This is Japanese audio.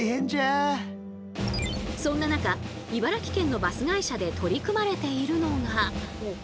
そんな中茨城県のバス会社で取り組まれているのが。